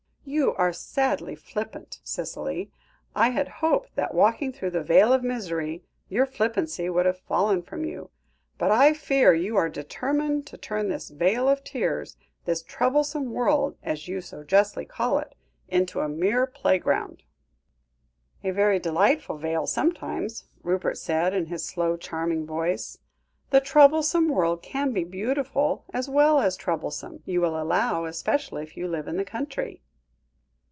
"You are sadly flippant, Cicely. I had hoped that walking through the vale of misery, your flippancy would have fallen from you. But I fear you are determined to turn this vale of tears, this troublesome world, as you so justly call it, into a mere playground." "A very delightful vale sometimes," Rupert said, in his slow, charming voice; "the troublesome world can be beautiful, as well as troublesome, you will allow, especially if you live in the country."